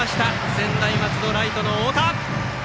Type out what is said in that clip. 専大松戸、ライトの太田！